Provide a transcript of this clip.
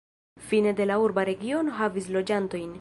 Fine de la urba regiono havis loĝantojn.